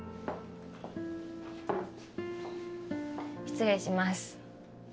失礼します。